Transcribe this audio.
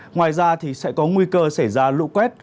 ngoài ra thì sẽ có nguy cơ xảy ra lũ quét